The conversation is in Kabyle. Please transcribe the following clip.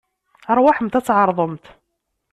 Aṛwaḥemt ad tɛeṛḍemt.